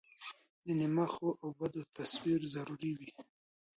د نیمه ښو او بدو تصویر ضروري وي.